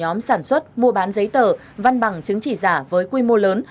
nhóm sản xuất mua bán giấy tờ văn bằng chứng chỉ giả với quy mô lớn